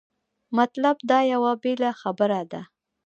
مطلب دا یوه بېله خبره ده.